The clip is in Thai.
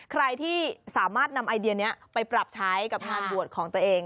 ใครที่สามารถนำไอเดียนี้ไปปรับใช้กับงานบวชของตัวเอง